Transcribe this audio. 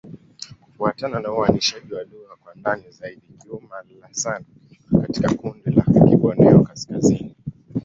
Kufuatana na uainishaji wa lugha kwa ndani zaidi, Kiuma'-Lasan iko katika kundi la Kiborneo-Kaskazini.